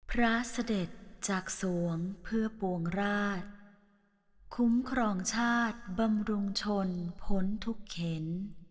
พระเสด็จจากสวงเพื่อปวงราชคุ้มครองชาติบำรุงชนพ้นทุกเข็น